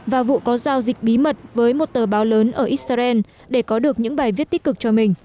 và vụ có giao dịch bí mật với một tờ báo lớn ở israel để có được những bài viết tích cực cho mình